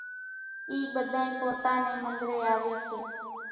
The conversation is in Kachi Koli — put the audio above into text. اِي ٻڌانئين پوتا نين منۮرين آوي سي